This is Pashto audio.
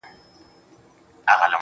د جمالیاتو او تصوف تر منځ